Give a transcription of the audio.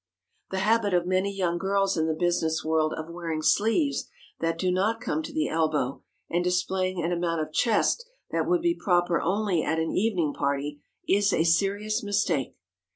The habit of many young girls in the business world of wearing sleeves that do not come to the elbow and displaying an amount of chest that would be proper only at an evening party, is a serious mistake.